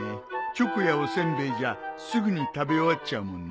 チョコやお煎餅じゃすぐに食べ終わっちゃうもんな。